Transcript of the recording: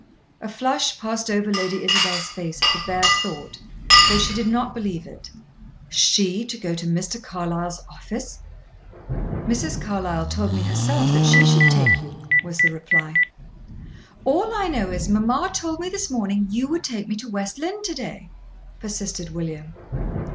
A flush passed over Lady Isabel's face at the bare thought, though she did not believe it. She go to Mr. Carlyle's office! "Mrs. Carlyle told me herself that she should take you," was the reply. "All I know is, mamma told me this morning you would take me to West Lynne to day," persisted William.